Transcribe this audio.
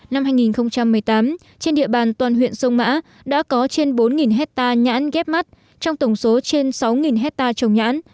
năm hai nghìn một mươi tám trên địa bàn toàn huyện sông mã đã có trên bốn hectare nhãn ghép mắt trong tổng số trên sáu hectare trồng nhãn